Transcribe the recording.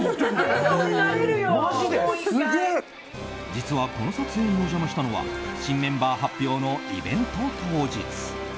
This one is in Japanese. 実はこの撮影にお邪魔したのは新メンバー発表のイベント当日。